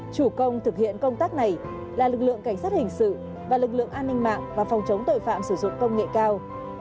chủ công thực hiện công tác này là lực lượng cảnh sát hình sự và lực lượng an ninh mạng và phòng chống tội phạm sử dụng công nghệ cao